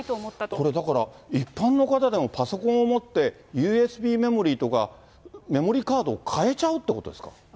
これ、だから一般の方でもパソコンを持ってＵＳＢメモリーとか、メモリーカードを買えちゃうということですか？